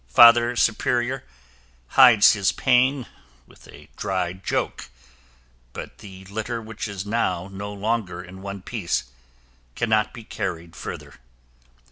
Father Superior hides his pain with a dry joke, but the litter which is now no longer in one piece cannot be carried further.